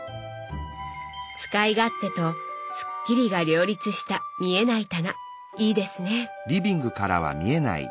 使い勝手とスッキリが両立した見えない棚いいですね！